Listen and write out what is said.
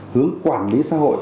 hướng quản lý xã hội